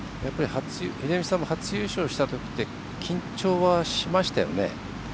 秀道さんも初優勝したときって緊張はしましたよね？